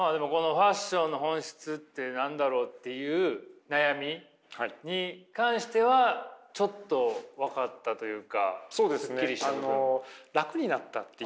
ファッションの本質って何だろう？っていう悩みに関してはちょっと分かったというかすっきりした？